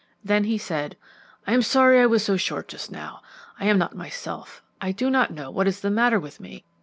Then he said, "I am sorry I was so short just now. I am not myself. I do not know what is the matter with me.